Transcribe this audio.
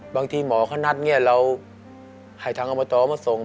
บางทีหมอเขานัดเนี่ยแล้วหายทางออมเตอร์มาส่ง